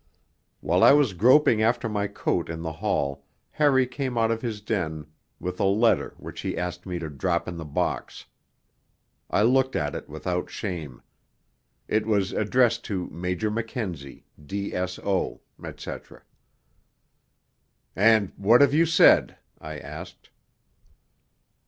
While I was groping after my coat in the hall, Harry came out of his den with a letter which he asked me to 'drop in the box.' I looked at it without shame; it was addressed to Major Mackenzie, D.S.O., etc. 'And what have you said?' I asked.